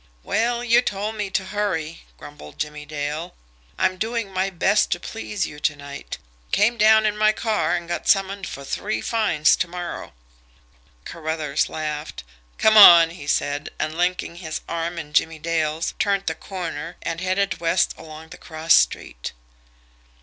"Well, you told me to hurry," grumbled Jimmie Dale. "I'm doing my best to please you to night. Came down in my car, and got summoned for three fines to morrow." Carruthers laughed. "Come on," he said; and, linking his arm in Jimmie Dale's, turned the corner, and headed west along the cross street.